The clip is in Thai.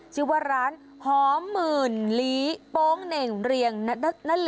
ชื่อว่าร้านหอมหมื่นลีโป๊งเหน่งเรียงนั่นแหละ